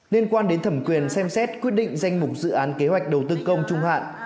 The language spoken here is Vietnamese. liên quan đến thẩm quyền xem xét quyết định danh mục dự án kế hoạch đầu tư công trung hạn